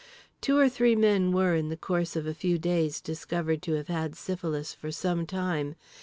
Two or three men were, in the course of a few days, discovered to have had syphilis for some time.